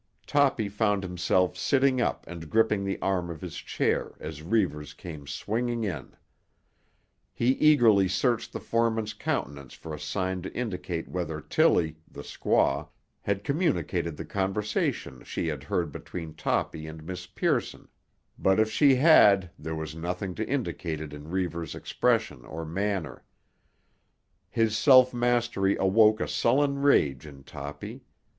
Toppy found himself sitting up and gripping the arms of his chair as Reivers came swinging in. He eagerly searched the foreman's countenance for a sign to indicate whether Tilly, the squaw, had communicated the conversation she had heard between Toppy and Miss Pearson, but if she had there was nothing to indicate it in Reivers' expression or manner. His self mastery awoke a sullen rage in Toppy.